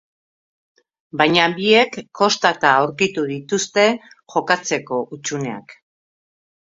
Baina biek kostata aurkitu dituzte jokatzeko hutsuneak.